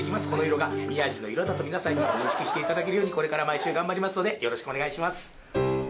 この色が宮治の色だと認識していただけるようにこれから毎週頑張りますので、よろしくお願いします。